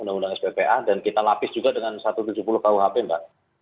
undang undang sppa dan kita lapis juga dengan satu ratus tujuh puluh kuhp mbak